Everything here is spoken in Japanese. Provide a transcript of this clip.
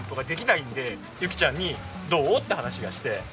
ゆきちゃんに「どう？」って話をして。